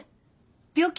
病気？